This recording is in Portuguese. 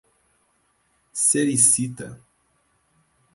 Sericita